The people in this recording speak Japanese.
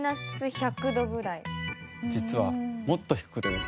実はもっと低くてですね